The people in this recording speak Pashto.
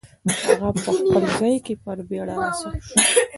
هغه په خپل ځای کې په بیړه را سم شو.